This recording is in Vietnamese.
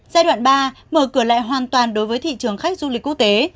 giai đoạn ba mở cửa lại hoàn toàn đối với thị trường khách du lịch quốc tế